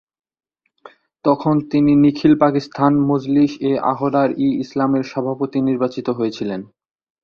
তখন তিনি নিখিল পাকিস্তান মজলিস-এ-আহরার-ই-ইসলামের সভাপতি নির্বাচিত হয়েছিলেন।